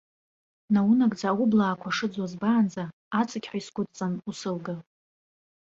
Наунагӡа аублаақәа шыӡуа збаанӡа, аҵықьҳәа исгәыдҵан усылга!